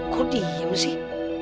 kok diam sih